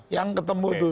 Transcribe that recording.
yang ketemu itu